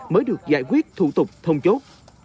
mới được giải quyết thủ tục thông chốt